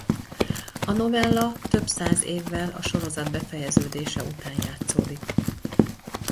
A novella több száz évvel a sorozat befejeződése után játszódik.